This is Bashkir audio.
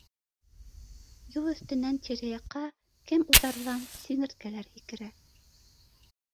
Юл өҫтөнән тирә-яҡҡа кем уҙарҙан сиңерткәләр һикерә